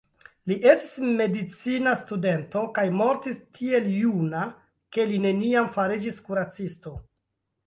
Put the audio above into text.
Li estis medicina studento kaj mortis tiel juna ke li neniam fariĝis kuracisto.